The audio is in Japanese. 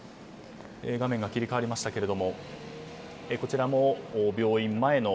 画面が切り替わりましたがこちらも病院前の